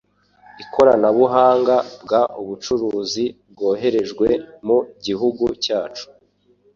ikoronabuhanga bw ubucuruzi bwohererejwe mu gihugu cyacu